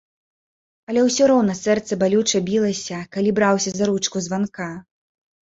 Але ўсё роўна сэрца балюча білася, калі браўся за ручку званка.